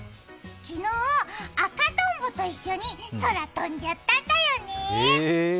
昨日、赤とんぼと一緒に空飛んじゃったんだよね。